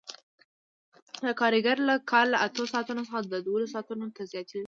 د کارګر کار له اتو ساعتونو څخه دولسو ساعتونو ته زیاتېږي